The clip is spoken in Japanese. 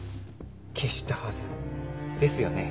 消したはずですよね？